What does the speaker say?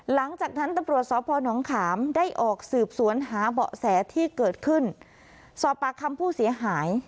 หลังจากนั้นตำรวจสพนขามได้ออกสืบสวนหาเบาะแสที่เกิดขึ้นสอบปากคำผู้เสียหาย